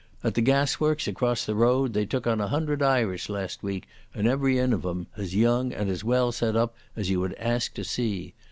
At the gasworks across the road they took on a hundred Irish last week, and every yin o' them as young and well set up as you would ask to see.